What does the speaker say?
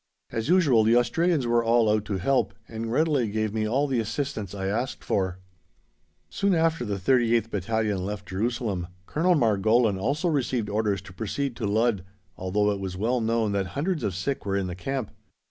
As usual, the Australians were all out to help, and readily gave me all the assistance I asked for. Soon after the 38th Battalion left Jerusalem, Colonel Margolin also received orders to proceed to Ludd, although it was well known that hundreds of sick were in the camp.